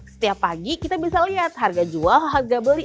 setiap pagi kita bisa lihat harga jual harga beli